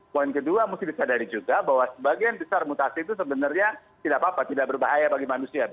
poin kedua mesti disadari juga bahwa sebagian besar mutasi itu sebenarnya tidak apa apa tidak berbahaya bagi manusia